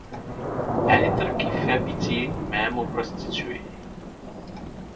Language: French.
Etre qui fais pitié même aux prostituées